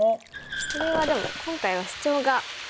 これはでも今回はシチョウがいいですね。